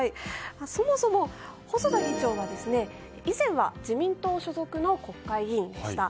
そもそも、細田議長は以前は自民党所属の国会議員でした。